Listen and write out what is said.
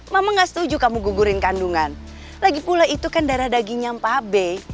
mama gak setuju kamu gugurin kandungan lagi pula itu kan darah dagingnya mpabe